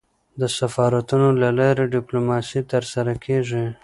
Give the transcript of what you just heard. د سفارتونو له لاري ډيپلوماسي ترسره کېږي.